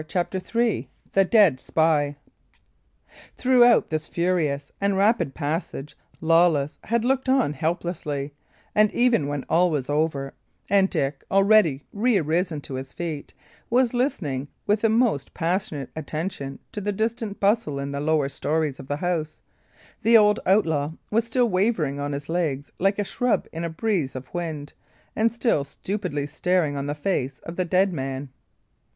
CHAPTER III THE DEAD SPY Throughout this furious and rapid passage, Lawless had looked on helplessly, and even when all was over, and Dick, already re arisen to his feet, was listening with the most passionate attention to the distant bustle in the lower storeys of the house, the old outlaw was still wavering on his legs like a shrub in a breeze of wind, and still stupidly staring on the face of the dead man.